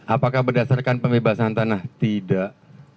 apakah berdasarkan pembebasan tanah tidak